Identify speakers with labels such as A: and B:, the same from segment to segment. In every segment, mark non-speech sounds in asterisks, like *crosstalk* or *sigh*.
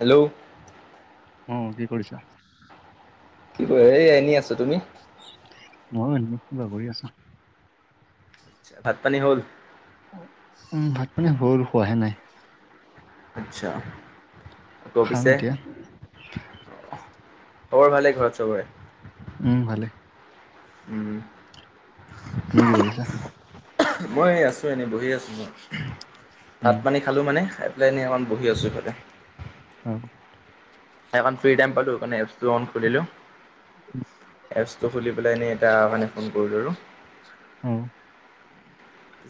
A: Hello
B: অ, কি কৰিছা?
A: কি কয়, এই এনে আছো। তুমি?
B: মইয়ো এনেই বহি আছো।
A: পিছে ভাত পানী হ'ল?
B: উম। ভাত পানী হ'ল। খোৱাহে নাই।
A: আচ্ছা।
B: খাম
A: *unintelligible*
B: এতিয়া
A: খবৰ ভালেই ঘৰত চবৰে।
B: উম, ভালে।
A: উম।
B: তুমি কি কৰিছা?
A: মই আছো এনেই বহি আছো মই ভাত
B: উম
A: পানী খালোঁ মানে পেলাইনি অক বহি আছোঁ ইপেনে
B: অ',
A: এখন ফ টাইম পালো এটো খুলিলো। এপছটো খুলি পেলাই এনেই এটা মানে ফোন কৰিলো আৰু।
B: অ',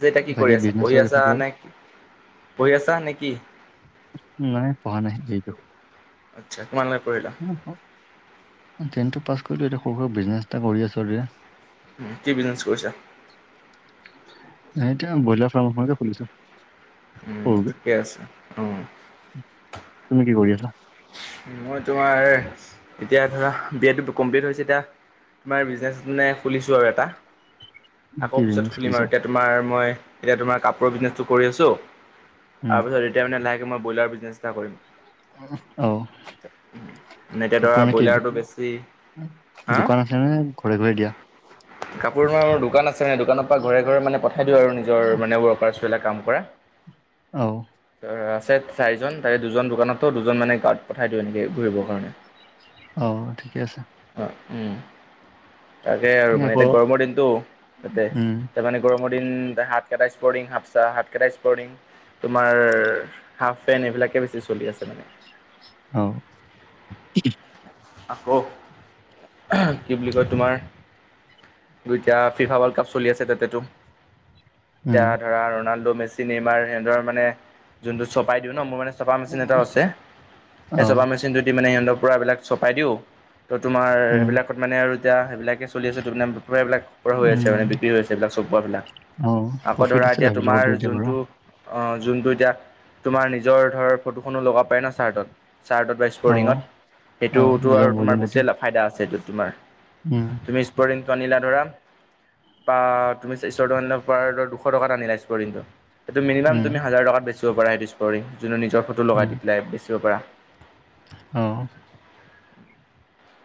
A: যে এতিয়া কি
B: বাকী
A: কৰি আছা, পঢ়ি
B: বিজনেছৰ কথা
A: আছা
B: কিবা
A: নে পঢ়ি আছা নে কি?
B: নাই পোৱা নাই যেইটো
A: আচ্ছা কিমনলৈকে পঢ়িলা?
B: টেন পাছ কৰিলো এ সৰু স বিজনেছ এটা কৰি আছো
A: উম, কি বিজনেছ কৰিছা?
B: এতিয়া ব্ৰইলাৰ ফাৰ্মখনকে খুলিছো।
A: উম,
B: সৰুকে
A: ঠিকে আছে, অ।
B: তুমি কি কৰি আছা?
A: মই তোমাৰ এতিয়া ধৰা বি এটো কমপ্লিট হৈছে এতিয়া তোমাৰ বিজনেছ মানে খুলিছোঁ আৰু এটা
B: কি
A: আকৌ পিছত
B: বিজনেছ
A: খুলিম
B: খুলিছা
A: আৰু এতিয়া তোমাৰ মই এতিয়া তোমাৰ কাপোৰৰ বিজনেচটো কৰি আছো
B: উম
A: তাৰপিছত তেতিয়ামানে লাহে ব্ৰইলাৰটো বিজনেছ এটা কৰিম।
B: অ',
A: উম। এতিয়া
B: কাপোৰ
A: ধৰা
B: নে কি
A: ব্ৰইলাৰটো বেছি হা
B: দোকান আছে নে ঘৰে ঘৰে দিয়া
A: কাপোৰ আমাৰ দোকান আছে টো দোকানৰ পৰা ঘৰে ঘৰে মানে পঠাই দিওঁ, আৰু নিজৰ মানে ৱৰ্কাৰছবলাক কাম কৰা।
B: অ
A: আছে চাৰিজন, তাৰে দুজন দোকানতো দুজন মানে গাৰ্ড পথাই দিও এনেকৈ ঘূৰিবৰ কাৰণে
B: অ ঠিকে আছে
A: তাকে, আৰু মানে
B: আকৌ
A: এয়া গৰমৰ দিনটো তাতে
B: উম
A: তাৰ মানে গৰমৰ দিন, হাত কেইটা স্পৰিং সাপচা হাত কেইটাই স্পৰিং তোমাৰ হাফ পেণ্ট এইবিলাকে বেছি চলি আছে মানে।
B: অ',
A: আকৌ কি বুলি কয় তোমাৰ দুইয়া ফিফা ৱৰ্ল্ড কাপ চলি আছে তাতো এতিয়া
B: উম
A: ধৰা, ৰনাল্ডো মেচি নমাৰ সনেৰ মানে যোনটো চপাই দিওঁ ন মোৰ মানে চাফা মেচিন এটাও আছে। সেই
B: অ',
A: চপা মেচিনটোদি মানে সিহঁতৰ পূৰাবিলাক চপাই দিওঁ তো তোমাৰ
B: উম,
A: সেইবিলাক মানে আৰু এতিয়া সবাক চি আছে তটো মানে এইবিলাক কৰা হৈ আছে
B: উম,
A: মানে বিক্ৰী আছে এইবিলাক
B: অ',
A: চবপোৱাবিলাক। আকৌ
B: প্ৰফিট
A: ধৰা
B: আছে
A: এতিয়া
B: ভাবি
A: তোমাৰ
B: লগত এতিয়া বাৰু।
A: যোনটো অ, যোনটো এতিয়া তোমাৰ নিজৰ ধৰ ফটোখনো লগাব পাৰে না চাৰ্টত চাৰ্টত বা
B: অ',
A: স্পৰ্টিঙত
B: অ',
A: সেইটোতো
B: নিজৰ
A: আৰু
B: মৰ্জি
A: তোমাৰ
B: মতে।
A: বেছিয়ে লাভ। ফাইদা আছে এইটো তোমাৰ
B: উম,
A: তুমি স্পটোনিলা ধৰা বা তুমি চশ ট দুশ টকাত আনিলা এইটো মিনিমাম
B: উম,
A: তুমি হাজাৰ টকাত বেছ যোনে নিজৰ ফটো লগাই
B: উম,
A: দি পেলাই বেচিব পাৰা।
B: অ',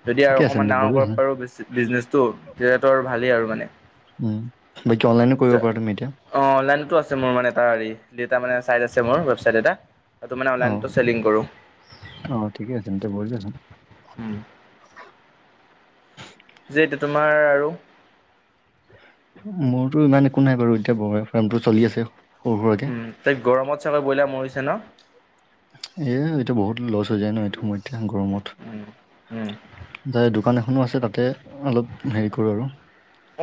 A: যদি আৰু
B: ঠিকে আছে
A: অকণমান
B: তেন্তে
A: ডাঙৰ
B: বঢ়িয়া
A: কৰিব
B: চোন,
A: পাৰো বিজনেছটো তেতিয়াতো আৰু ভালেই আৰু মানে।
B: উম, বাকী অনলাইনো কৰিব পাৰা তুমি এতিয়া।
A: অ', অনলাইনতো আছে মোৰ মানে এটা হ মানে চাইট আছে মোৰ ৱেবচাইট এটা এটো মানে অনলাইন
B: অ',
A: চেলিং কৰো।
B: অ', ঠিকেই আছে ন ত'বছচোন
A: উম। যি এইটো তোমাৰ আৰু
B: মোৰতো ইমান একো নাই বাৰু এতিয়া বয়লাৰ ফ্ৰামটো চলি আছে। সৰু সুৰাকে,
A: উ তাই গৰমত চাগৈ বইলাৰ মৰিছে ন?
B: এ এইতিটো বহুত লছ হৈ যায় ন এইটো সময় এতিয়া গৰমত।
A: উম, উম।
B: তা দোকান এখনো আছে তাতে অলপ হেৰি কৰো আৰু।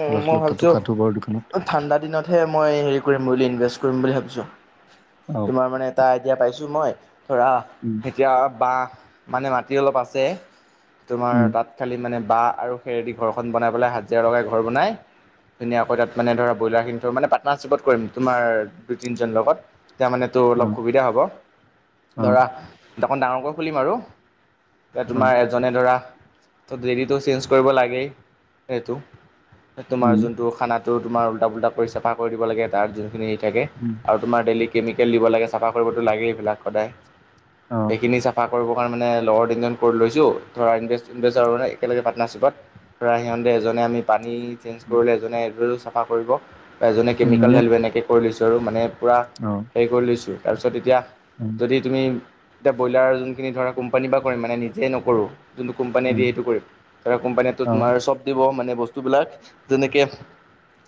B: অলপ
A: মই
B: চলপ তাতো
A: ভাবিছো
B: কাটো বাৰু দোকানত।
A: ঠাণ্ডা দিনতহে মই হেৰি কৰিম বুলি ইনভেষ্ট কৰিম বুলি ভাবিছো।
B: অ',
A: তোমাৰ মানে এটা আইডিয়া পাইছোঁ মই ধৰা
B: উম।
A: এতিয়া বাঁহ মানে মাটি অলপ আছে তোমাৰ
B: উম,
A: তাত। খালি মানে বাঁহ আৰু খেৰেদি ঘৰখন বনাই পেলাই হাজিৰা লগাই ঘৰ বনাই ধুনীয়াকৈ তাত মানে ধৰা ব্ৰইলাৰ খিনি থ মানে পাৰ্টনাৰশ্বিপত কৰিম তোমাৰ দু তিজন লগত এতিয়া মানে। তটো অলপ
B: অ',
A: সুবিধা হ'ব
B: অ',
A: ধৰা অকণ ডাঙৰকৈ খুলিম আৰু এ
B: অ',
A: তোমাৰ এজনে ধৰা ত ডেইলীটো চেঞ্জ কৰিব লাগেই সেইটো তোমাৰ
B: উম,
A: যোনটো খানাটো তোমাৰ উল্টা পোল্টা কৰি চাফা কৰি দিব লাগে তাত যোনখিনি হেৰি থাকে
B: উম।
A: আৰু তোমাৰ ডেইলি কেমিকেল দিব লাগে চাফা কৰিবতো লাগে এইবিলাক সদায়।
B: অ'।
A: সেইখিনি চফা কৰিবৰ কাৰণ মানে লগৰ তিনিজন কৰি লৈছোঁ ধৰানভে ইনভেষ্টাৰ মানে একেলগ পাৰ্টনাৰশ্বিপত ধৰা সিহঁতে এজনে আমি পানী চেঞ্জ
B: উম,
A: কৰিলে এজনে এডো চাফা কৰিব বা এজনে কেমিকেল ল এনেকৈ কৰি লৈছোঁ আৰু মানে পূৰা
B: অ'।
A: হেৰি কৰি লৈছোঁ তাৰপিছত এতিয়া
B: উম।
A: যদি তুমি এতিয়া ব্ৰইলাৰ যোনখিনি ধৰা কোম্পানী বা কৰে মানে নিজেই নকৰোঁ। যোনটো কোম্পানীয়ে দিয়ে সেইটো কৰিম ত কোম্পানীয়ে তোমাৰ চব দিব মানে বস্তুবিলাক যেনেকে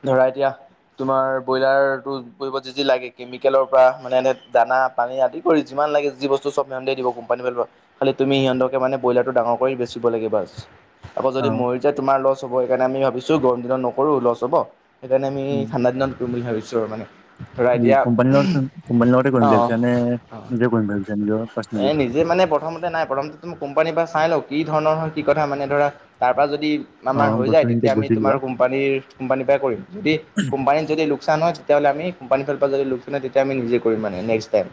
A: ধৰা এতিয়া তোমাৰ ব্ৰইলাৰটো কৰিব যি যি লাগে কেমিকেলৰ পৰা মানে এনে দানা পানী আদি কৰি যিমান লাগে যি বস্তু চব ম দিব কোম্পানী পৰা। খালি তুমি সিহঁতকে মানে ব্ৰইলাৰটো ডাঙৰ কৰি বেচিব লাগে বাছ। আকৌ যদি মৰি যায় তোমাৰ লছ হ'ব সেইকাৰণে আমি ভাবিছোঁ গৰম দিনত নকৰো লছ হ'ব। সেইকাৰণে আমি ঠাণ্ডা দিনত কৰিম বুলি ভাবিছোঁ আৰু মানে। ধৰা এতিয়া
B: কোম্পানীৰ লগত কোম্পানীৰ লগতে কৰিম
A: অ',
B: লাগিছে নে নিজে কৰিম লাগি নিজৰ পাৰ্চনলী।
A: যে মানে প্ৰথমতে নাই প্ৰথমতে মোক কোম্পানীৰ পৰা চাই লওঁক কি ধৰণৰ হয় কি কথা মানে ধৰা তাৰপৰা যদি। আমাৰ হৈ যায়
B: বস্তুখিনিতে
A: তেতিয়া আমি
B: বুজিলো
A: তোমাৰ কোম্পানীৰ কোম্পানীৰ পৰাই কৰিম যদি কোম্পানী যদি লোকচান হয় তেতিয়াহ'লে আ মি কো্পানী ফালৰ পৰা যদি লোকচান হয় তেতিয়া আমি নিজে কৰিম মানে নেক্সটাইম।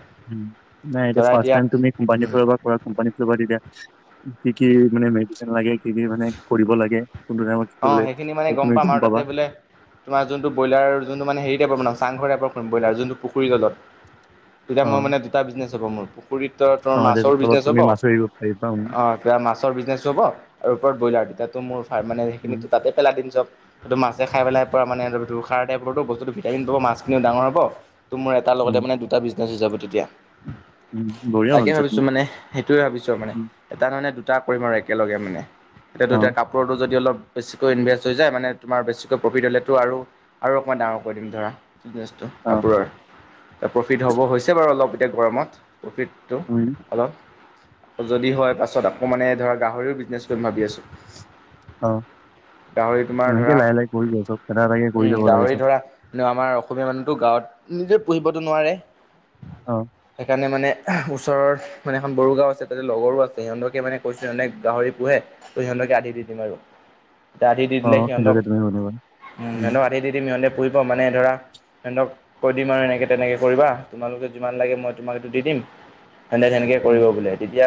B: নাই এতিয়া ফাৰ্ষ্টটাইম তুমি কোম্পানী
A: উম
B: ফালৰ পৰা কোম্পানী পৰা তেতিয়া কি, কি মানে মেডিচিন লাগে কি, কি মানে কৰিব লাগে। কোনটো টাইমত। কি কৰিব
A: অ',
B: লাগে
A: সেইখিনি মানে
B: তাত
A: গম
B: তুমি
A: পাম আৰু
B: পাবা
A: তাতে বোলে তোমাৰ যোনটো ব্ৰইলাৰ যোনটো মানে হেৰিটাইপ বনাম চাংঘৰ টাইপৰ কৰিম ব্ৰইলাৰ যোনটো পুখুৰীৰ জলত। তেতিয়া
B: অ
A: মই মানে দুটা বিজনেছ হ'ব মোৰ পুখুৰীত ত
B: অ যাতে
A: মাছৰ
B: তলত
A: বিজনেছ
B: তুমি
A: হ'ব।
B: মাছ এৰিব পাৰিবা উম,
A: অ', কিবা মাছৰ বিজনেছো হ'ব আৰু ওপৰত ব্ৰইলাৰ দুতো মোৰ মানে। সেইখিনিতো
B: উম,
A: তাতে পেলাই দিম চব। সটো মাছে খাইেলাই প মানে টাইপত বস্তুতো ভিটামিন পাব মাছখিনি ডাঙৰ হ'ব ত' মোৰ এটাৰ লগতে মানে দুটা বিজনেছ হৈ যাব তেতিয়া
B: উম, উম, বঢ়িয়া
A: তাকে
B: ভাবিছা তুমি
A: ভাবিছোঁ মানে সেইটোৱে ভাবিছোঁ আৰু মানে
B: উম,
A: এটা কাৰণে দুটা কৰিম আৰু একেলগে মানে এতিয়া
B: অ
A: দুটা কাপোৰটো যদি অলপ বেছিকৈ ইনভেষ্ট হৈ যায় মানে তোমাৰ বেছিকৈ প্ৰফিট হ'লেতো আৰু অকণমান ডাঙৰ কৰি দিম ধৰা।
B: অ
A: কাপোৰৰ এ প্ৰফিট হ'ব হৈছে বাৰু অলপ এতিয়া গৰমত।
B: উম,
A: *unintelligible* যদি হয় পাছত আকৌ মানে ধৰা গাহৰিও বিজনেছ কৰিম ভাবি আছো।
B: অ', নেকে
A: ধৰা
B: লাহে লাহ কৰি ল চব ফটা এটাকে কৰি
A: উম
B: যাব লাগে
A: গাহৰি
B: চব।
A: ধৰা আমাৰ অসমীয়া মানুহতো গাঁৱত নিজে পু়হিবতো নোৱাৰে।
B: অ',
A: সেইকাৰণে মানে ওচৰৰ মানে এখন বড়ো গাঁও আছে তাতে লগৰো আছে সিহঁতকে মানে কৈছে এনে গাহৰি পোহে তইহকে আদি দি দিম আৰু এতিয়া আধি দি
B: অ
A: দিলে, সিহঁতক
B: সিন্ধুকে তুমি শুনিবা
A: উম সিহঁতক আধি দি দিম সিহঁতে পুৰিব মানে ধৰা ফ্ৰেণ্ডক কৈ দিম আৰু এনেকে তেনেকে কৰিবা তোমালোকে যিমান লাগে মই তোমাক এইটো দি দিম তেনেকে
B: উম
A: কৰিব বোলে তেতিয়া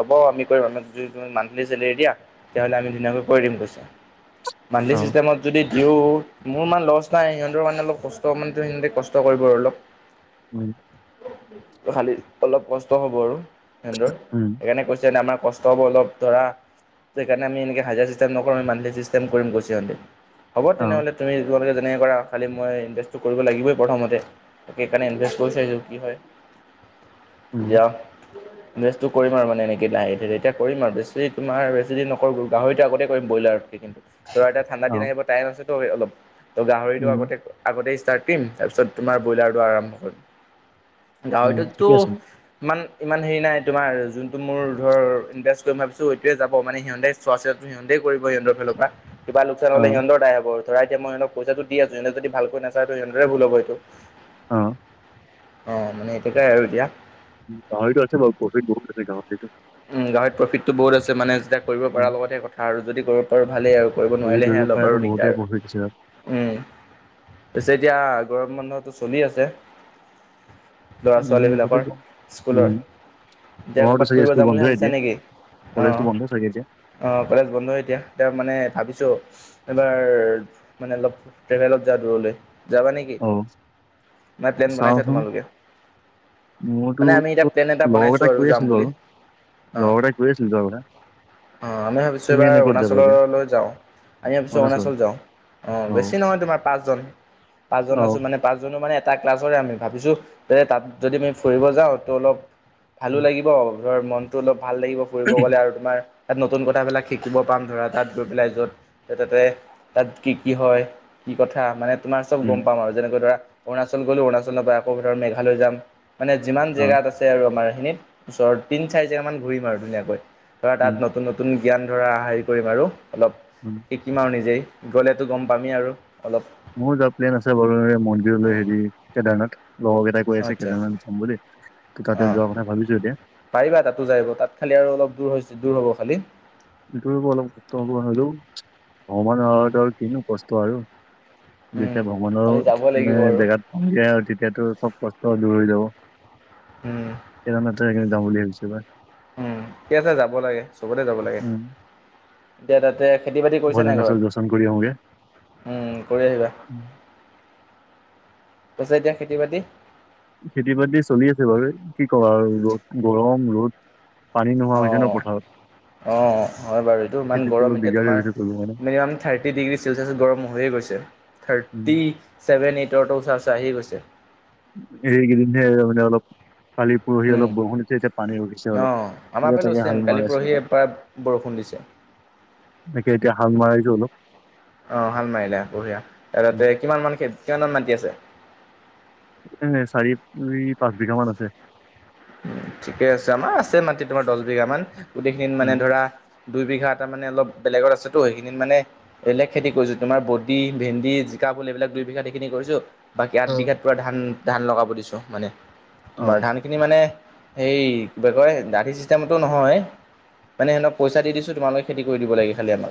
A: হ'ব আমি কৰিম আমাক যদি কোনো মান্থলী চেলাৰী দিয়া তেয়াহ'লে আমি ধুনাকৈ কৰি দিম কৈছে। মাণ্ঠলী
B: অ
A: চিষ্টেমত যদি দিওঁ মোৰ ইমান লছ নাই সিহঁতৰ কাৰণে অলপ কষ্ট মান সিহঁতে কষ্ট কৰিব আৰু অলপ
B: উম',
A: খালি অলপ কষ্ট হব, আৰু সিহতৰ
B: উম
A: সেইকাৰণে কৈছে আমাৰ কষ্ট ষ্টব অলপ ধৰা সেইকাৰণে আমি এনেকৈ হাজাৰ চিষ্টেম নকৰোঁ আ মান্থলি চিষ্টেম কৰিম গছি হ'ব
B: অ
A: তেনেহ'লে তুমি তোমালোকে যেনেকৈ কৰা খালী মই ইনভেষ্টটো কৰিব লাগিবই প্ৰথমতে তাকে এইেইকাৰণে ইনভে কৰিছে য কি হয়
B: উম
A: ৰেষ্টটো কৰিম আৰু মানে এনেকৈ লাহে লাহ এতিয়া কৰিম আৰু বেছি তোমাৰ বেছিদি নকৰল গাহৰিটোটা আগতে কৰিম ব্ৰইলাৰ কিন্তু ত এতিয়া ঠাণ্ডা
B: অ
A: দিন আহিব টাইম আছে অলপ ত গাহৰিতটো
B: উম
A: আগতে আগতে ষ্টাৰ্ট কৰিম তাৰপিছত তোমাৰ ব্ৰইলাৰটো আৰম্ভ কৰিম
B: উম
A: গাহৰিটো
B: ঠিকে আছে ন
A: ইমান ইমান হেৰি নাই তোমাৰ যোনতটো মোৰ ধৰ ইনভেষ্ট কৰিম ভাবিছো এইটোোৱে যাব মানে সিহঁতে চোৱা চিতা সিহঁতে কৰিব সিহঁৰ ফালৰ পৰা কিবা লোকচান
B: অ
A: হ'লে সিহঁতৰ দাই হব। ধৰাইিয় মইহক পইচাটো দি আছো সিহক যদি ভালৈ নাায় ত সহনেদৰে ভুল হ'ব এইটো
B: অ'
A: অ', মানে এইটোকে আৰু এতিয়া
B: উ গাঁৱতটো আছে বাৰু প্ৰফি ব গাঁৱতটো
A: গাহৰিত প্ৰফিটটো বহুত আছে মানে, যেতিয়া কৰিব
B: উম
A: পৰাৰ লগতহে কথা আৰু যদি কৰিব পাৰোঁ ভালেই আৰু কৰিব
B: যদি ধৰি
A: নোৱাৰিলেহে,
B: লওক
A: অলপ
B: পাৰাতো
A: আৰু
B: বহুতে
A: দিগদাৰ
B: প্ৰফিট আছে তাত
A: উম, পিছেত এতিয়া গৰম বন্ধটো চলি আছে। ল'ৰা
B: উম
A: ছোৱালী
B: সেইটোতো
A: বিলাকৰ
B: কম
A: স্কুলৰ
B: উম
A: এতিয়া
B: তোমাৰতো
A: কৰ'বাত
B: চাগে
A: ফুৰিব
B: স্কুল
A: যাম বুলি
B: বন্ধই
A: ভাবিছা
B: এতিয়া
A: নেকি অ,
B: কলেজটো বন্ধ চাগে এতিয়া
A: অ, কলেজ বন্ধ এতিয়া তেওঁ মানে ভাবিছোঁ এবাৰ মানে অলপ ট্ৰেভেলত যা দূৰলৈ। যাবা নেকি
B: অ
A: নাই প্লেন বনাইছা
B: চাওচোন
A: তোমালোকে?
B: মোৰতো
A: মানে আমি এতিয়া প্লেন এটা বনাইছো আৰু যাম বুলি
B: লগাত কৈ আছিলো কথা
A: অ', মি ভাবিছো
B: তুমি
A: এইবাৰ
B: এনে ক'ত যাবা এতিয়া
A: অৰুণাচললৈ যাও। আমিছো অৰুণাচল যাওঁ অ বেছি নহয় তোমাৰ পাঁচজন
B: অ
A: পাঁচজন আছো মানে পাঁচজনো মানে এটা ক্লাছৰে আমি ভাবিছো যে তাত যদি আমি ফুৰিব যাওঁ তো অলপ ভালো
B: উম
A: লাগিব, ধৰ মনতটো অলপ ভাল লাগিব ফুৰিব গলে আৰু তোমাৰ তাত নতুন কথাবিলাক শিকিব পাম ধৰা তাত গৈ পেলাই য'ত তাতে তাত কি, কি, হয়, কি কথা মানে তোমাৰ চব গম
B: উম
A: পাম আৰু, যেনেকৈ ধৰা অৰুণাল গলো অৰুণাচল নপ আকৌ ধ মেঘালয় যাম মানে যিমান
B: অ
A: জেগাত আছে আৰু আমাৰ সখিনিত ওচৰত তিন চাৰি জেগা মান ঘূৰিম আৰু ধুনীয়াকৈ। ধৰা
B: উম
A: তাত নতুন নতুন জ্ঞান ধৰা হেৰি কৰিম আৰু অলপ
B: উম,
A: শিকিম আৰু নিজেই, গ'লেতো গম পামেই আৰু অলপ।
B: মোৰ যোৱা প্লেন আছে বাৰু মন্দিৰলৈ হেৰি কেদাৰনাথ লগৰ কেইটাক কৈ আছে
A: আচ্ছা
B: কেইটামান যাম বুলি দেই তাতে
A: অঁ
B: যোৱা কথা ভাবিছো এতিয়া।
A: পাৰিবা তাতো যায়িব তাত খালি আৰু অলপ দূৰ দূৰ হ'ব খালি।
B: এইটো অলপ কষ্ট হ'ব নোৱাৰলেও ভানৰ ভাৰতৰ কিনো কষ্ট আৰু
A: উম
B: যেতিয়া ভ্ৰমণৰ
A: খালি যাব
B: মানে
A: লাগিব আৰু
B: জেগাত পাায় আৰু তেতিয়াতো চব কষ্ট দূৰ হৈ যাব।
A: উম,
B: সেইদান যাওঁ বুলি ভাবিছে
A: উম ঠিক আছে যাব লাগে চবতে যাব লাগে
B: উম
A: এতিয়া তাতে খেতি বাতি কৰিছে নে
B: ভোলেনাথৰ দৰ্শন কৰি
A: ঘৰত
B: আহোগে
A: উম কৰি আহিবা কৈছে এতিয়া খেতি বাতি
B: খেতি বাতি চলি আছে বাৰু কি ক আৰু ৰ'দ গৰম ৰ'দ
A: অঁ
B: *unintelligible*
A: অঁ হয় বাৰু এইটো ইমান
B: খেতিত অলপ
A: গৰম এতিয়া
B: দিগদাৰি
A: তোমাৰ
B: হৈছে কৰিব মানে
A: মিনিমাম থাৰ্টি ডিগ্ৰী চেলচিয়াছ গৰম হৈয়ে গৈছে
B: উম,
A: থাৰ্টি ছেভেন ইটৰটো চাৰ্জ আহি গৈছে
B: হেগ দনহ ডেলপ *unintelligible* কালি পৰহি
A: উম
B: অলপ বৰষুণ দিছে এতিয়া পানী ৰখিছে অলপ
A: অঁ আমাৰ
B: এতিয়া
A: ফালেও
B: তাকে
A: ছেম
B: হাল
A: কালি
B: মাৰি আছিল
A: পৰহি
B: অলপ
A: এবাৰ বৰষুণ দিছে
B: একে এতিয়া হাল মাৰাইছোলপ
A: অ হাল মাৰিলে বঢ়িয়া তাৰপাছতে কিমান মান খে কিমান মান মাটি আছে
B: এ ন চাৰি পাঁচ বিঘা মান আছে
A: ঠিকে আছে আমাৰ আছে মাটি তোমাৰ দহ বিঘা মান গোটেইখিন মানে
B: উম
A: ধৰা দুইবিঘা এটা মানে অলপ বেলেগত আছেতো সেইখিনিত মানে এইবলোক খেতি কৰিছো তোমাৰ বডি ভেন্দি জিকা বোল এইবিলাক দুইবিঘাত সেইখিনি কৰিছো বাকী আঠ
B: অ
A: বিঘাত প ধান ধান লগাব দিছোঁ মানে
B: অ
A: তোমাৰ ধানখিনি মানে সেই বেগয় দাঠি চিষ্টেমটো নহয় মানেহকইচা দিছোমালোকেতি কৰি দিব লাগে খালিম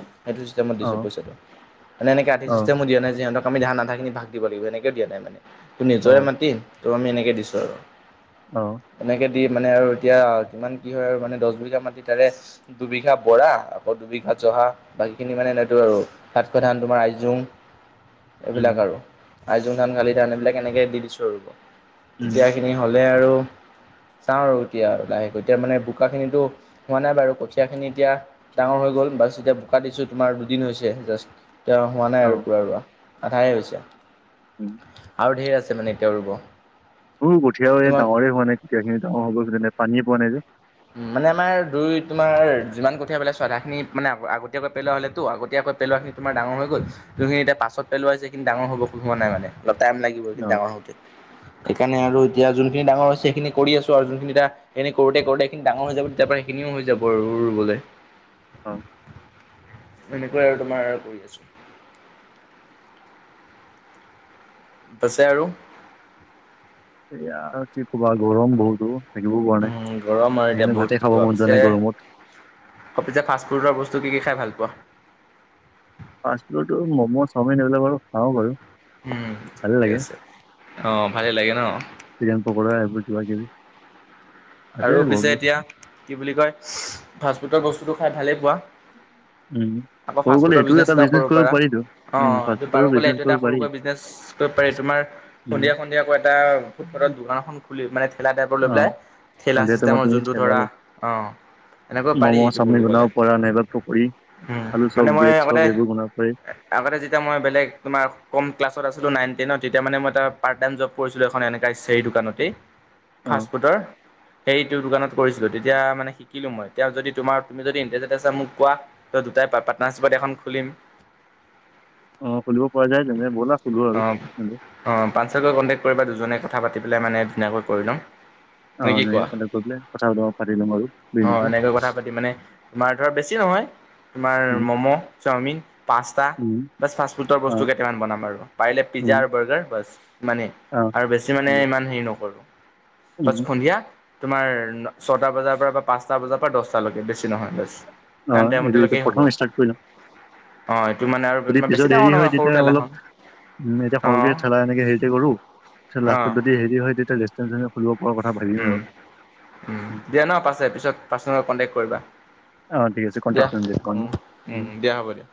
A: সটো দি
B: অ
A: পইচা মানে এনেক আধ
B: অ
A: চিষ্টেমো দা নাই যিঁতক আমি ধান আধাখিনি ভাগ দিব লাগিব সেনেকে দিয়া নাই মানে তোৰ
B: অ
A: নিজৰে মাতি তো আমি এনেক দিছো আৰু
B: অ
A: এনেকে দি মানে আৰু এতিয়া যিমান কি হয় আৰু মানে দহ বিঘা মাতি তাৰে দুবিঘা বৰা আকৌ দুবিঘা জহা বাকী খিনি মানে এনেতো আৰু তাতশৈ ধান তোমাৰ আইজোং এইবিলাক
B: উম
A: আৰু আইজোং ধান গালি ধান এইবিলাক এনেকে দি দিছো ৰব
B: উম
A: এতিয়া সখিনি হ'লে আৰু চাওঁ আৰু এতিয়া লাহেকৈ এতিয়া মানে বোকাখিনিতো হোৱা নাই বাৰু কঠীয়া খিনি এতিয়া ডাঙৰ হৈ গ'ল বাছ এতিয়া বোকা দিছো তোমাৰ দুদিন হৈছে জাষ্ট তেওঁ হোৱা নাই
B: অ
A: আৰু কা ৰোৱা আধায়
B: উম
A: হৈছে আৰু ঢেৰ আছে মানে এতিয়া ৰুব
B: সৰু কঠীয়াও এই
A: তোমাৰ
B: ডাঙৰে হোৱা নাই কঠীয়া খিনি ডাঙৰ হব কিজানি পানীয়ে পোৱা নাই যে
A: উম মানে আমাৰ দুই তোমৰ যিমান কঠীয়া পেললে আধাখিনি মানে আগতীয়াকৈ পেলোৱা হ'লেতো আগতীয়াকৈ পেলোৱাখিনি তমাৰ ডাঙৰ হৈ'ল সখিনি এতি পাছ পেলোৱা যে এইখিন ডাঙৰ হব হোৱা নাই মানে অলপ টাইম লাগিব ইখিনি
B: অ
A: ডাঙৰ হওঁতে সেইকাৰণে আৰু এতিয়া যোনখিনি ডাঙৰ হৈছে সেইখিন কৰি আছো আৰু যোনখিন এতিয়া এনে কৰোতে কৰোতে ডাঙৰ হৈ যাব তেতিয়াৰ পৰা সেইখিনিও হৈ যাব আৰু ৰুবলৈ
B: অ
A: এনেকুৱাই আৰু তোমাৰ আৰু কৰি আছো পছ আৰু আৰু
B: য়া কি কবা গৰম বহুত অ থাকিবও পৰা নাই
A: উম গৰম আৰু এতিয়া
B: সেইকাৰে ভাতে খাব মন য নাই গৰমত
A: অ পিছে ফাষ্ট ফুডৰ বস্তু কি কি খাই ভাল পোৱা
B: পাঁচ কিলো ম'ম' চাওমিন এইবিলাক বাৰু খাওঁ বাৰু
A: উম
B: ভালে
A: ঠিকে
B: লাগে
A: আছে অ ভালেই লাগে ন
B: চিকেন পকৰা আছে
A: আৰু
B: বহুত
A: পিছে
B: বস্তু
A: এতিয়া কি বুলি কয় ফাষ্টফুডৰ বস্তুতো খাই ভালেই পোৱা
B: উম
A: আকৌ
B: ক'ব
A: ফাষ্ট
B: গ'লে
A: ফুডৰ
B: সেইটোও
A: বিজনেছ
B: এটা
A: এটাও কৰিব পাৰা
B: পাৰিতো
A: অ
B: উম ফাষ্ট
A: এইটো
B: ফুডৰো
A: পাৰো কলে
B: বিজনেছ
A: এইটো এটা
B: কৰিব পাৰি
A: সৰুকৈ বিজনেছ কৰিব পাৰি তোমাৰ
B: অ
A: সন্ধিয়া সন্ধিয়া আকৌ এটা ফুটপাথত দোকানখন খুলি মানে ঠেলা টাইপৰ লৈ পেলাই ঠেলা
B: সন্ধিয়া টাইমত
A: চিষ্টেমৰ
B: তুমি
A: যোনটো
B: ঠেলা
A: ধৰা অ এনেকৈ পাৰি
B: ম'ম'
A: এইটো
B: চাওমিন
A: কৰু
B: বনাব
A: কলে
B: পৰা নাইবা পকৰী, আলু চব, ব্ৰেড চব, সেইবোৰ বনাব পাৰি।
A: আগতে যেতিয়া মই বেলেগ তোমাৰ কম ক্লাছত আছিলো নাইন টেনত তেতিয়া মানে মই তাৰ পাৰ্ট টাইম জব কৰিছিলোঁ এখন এনেকা চেৰী দোকানতেই
B: অ
A: ফাষ্টফুডৰ। সেইটো দোকানত কৰিছিলো, তেতিয়া মানে শিকিলো মই এতিয়া যদি তোমাৰ তুমি যদি ইন্টাৰেষ্টেড আছা মোক কোৱা। ত দুটাই পাৰ্টনাৰশ্বিপত এখন খুলিম।
B: অ খুলিব পৰা যায় তেনেহলে ব'লা খুলো আৰু।
A: অ পাঁচতাকৈ কণ্টেক্ট কৰিবা দুজনে কথা পাতি পেলাই মানে ধুনিয়াকৈ কৰি লম।
B: অ
A: নে কি
B: এনেকে
A: কোৱা?
B: কণ্টেক্ট কৰি পেলাই কথা বতৰা পাতি ল'ম আৰু
A: অ
B: বিজনেচৰ
A: এনেকৈ কথা পাতি মানে তোমাৰ ধৰা বেছি নহয়। তোমাৰ
B: উম
A: মম', চাওমিন, পাস্তা।
B: উম
A: বাছ ফাষ্ট ফুডৰ
B: অ
A: বস্তু কেইটামান বনাম আৰু পাৰিলে পিজ্জা
B: উম
A: আৰু বাৰ্গাৰ বছ সিমানেই।
B: অ
A: আৰু বেছি মানে
B: এই,
A: ইমান হেৰি নকৰো বাছ
B: উম
A: সন্ধিয়া তোমাৰ ছটা বজাৰ পৰা। পাঁচটা বজাৰ পৰা দহটালৈকে বেছি নহয়,
B: অ
A: বাছ টাইম
B: এইটো এতিয়া
A: এইটোলৈকে হ'ব।
B: প্ৰথম ষ্টাৰ্ট কৰি লম
A: অ এইটো মানে
B: যদি
A: আৰু
B: পিছত
A: বেছি
B: হেৰি
A: ডাঙৰ
B: হয়
A: নহয় সৰু
B: তেতিয়া অলপ
A: ঠেলাখন।
B: উম এতিয়া
A: অ
B: সৰুকে ঠেলা এনেকে হেৰিতে কৰো পিছত
A: অ
B: লাষ্টত যদি হেৰি হয় তেতিয়া ৰেষ্টুৰেণ্ট ছেষ্টুৰেন্ট খুলিব পৰা কথা ভাবিম
A: উম
B: আৰু।
A: উম দিয়া ন পাছে পিছত পাৰ্ছনেল কণ্টেক্ট কৰিবা।
B: অ ঠিক আছে
A: দিয়া
B: কণ্টেক্ট কৰিম তেতিয়া
A: উম,
B: মই
A: উম দিয়া হ'ব দিয়া।